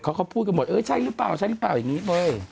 เขาก็พูดกันหมดเออใช่หรือเปล่าใช่หรือเปล่าอย่างนี้เว้ย